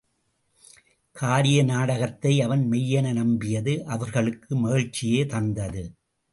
காரிய நாடகத்தை அவன் மெய்யென நம்பியது அவர்களுக்கு மகிழ்ச்சியே தந்தது.